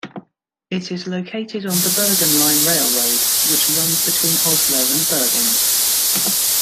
It is located on the Bergen Line railroad which runs between Oslo and Bergen.